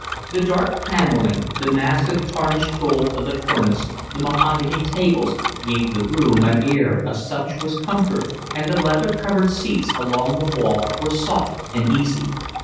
The dark panelling, the massive, tarnished gold of the cornice, the mahogany tables, gave the room an air of sumptuous comfort, and the leather covered seats along the wall were soft and easy.